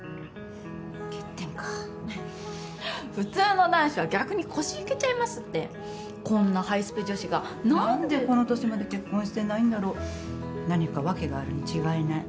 欠点か普通の男子は逆に腰引けちゃいますってこんなハイスペ女子が何で何でこの年まで結婚してないんだろう何か訳があるに違いない